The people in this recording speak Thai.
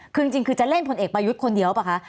คือจริงคือจะเล่นพลเอกประยุทธ์คนเดียวหรือเปล่าคะ